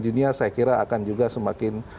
dunia saya kira akan juga semakin